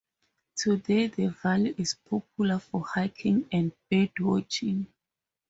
Today the valley is popular for hiking and birdwatching.